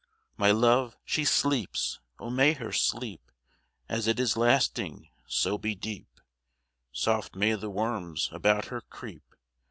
My love, she sleeps! Oh, may her sleep, As it is lasting, so be deep; Soft may the worms about her creep!